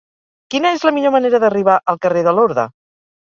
Quina és la millor manera d'arribar al carrer de Lorda?